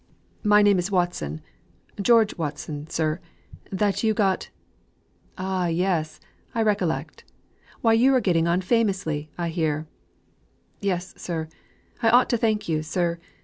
"My name is Watson George Watson, sir, that you got " "Ah, yes! Why you are getting on famously, I hear." "Yes, sir. I ought to thank you, sir.